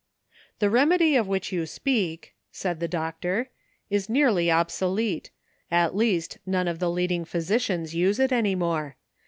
"The remedy of which you speak," said the doctor, "is nearly obsolete — at least none of the leading physicians use it any more.